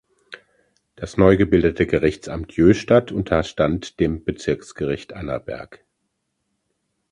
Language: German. Das neu gebildete Gerichtsamt Jöhstadt unterstand dem Bezirksgericht Annaberg.